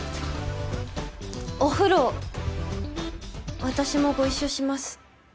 お風呂私もご一緒します。